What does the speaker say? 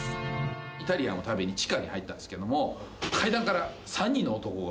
イタリアンを食べに地下に入ったんですけれども階段から。